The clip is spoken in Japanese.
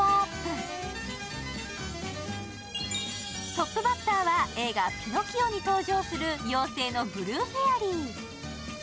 トップバッターは映画「ピノキオ」に登場する妖精のブルーフェアリー。